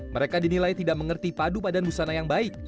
mereka dinilai tidak mengerti padu padan busana yang baik